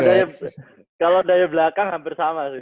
kalau dari belakang hampir sama sih